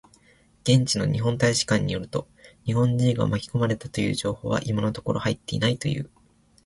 現地の日本大使館によると、日本人が巻き込まれたという情報は今のところ入っていないという。